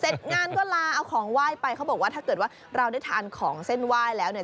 เสร็จงานก็ลาเอาของไหว้ไปเขาบอกว่าถ้าเกิดว่าเราได้ทานของเส้นไหว้แล้วเนี่ย